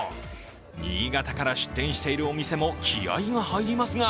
新潟から出店しているお店も気合いが入りますが